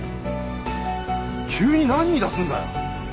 急に何言いだすんだよ。